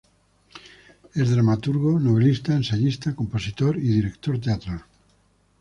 Es dramaturgo, novelista, ensayista, compositor y director teatral.